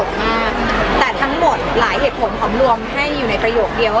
แต่ทั้งหมดหลายเหตุผลของผมรวมในประโยคเรียน